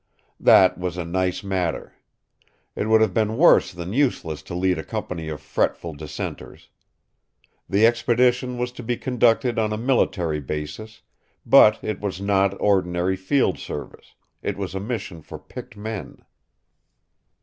That was a nice matter. It would have been worse than useless to lead a company of fretful dissenters. The expedition was to be conducted on a military basis; but it was not ordinary field service; it was a mission for picked men.